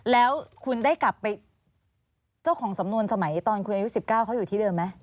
แล้วคุณได้กลับไปเจ้าของสำนวนสมัยตอนคุณอายุ๑๙เขาอยู่ที่เดิมไหม